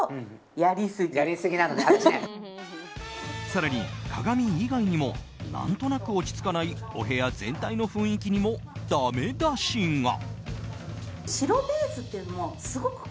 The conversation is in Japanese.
更に、鏡以外にも何となく落ち着かないお部屋全体の雰囲気にもだめ出しが。